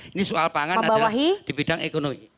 ini soal pangan ada di bidang ekonomi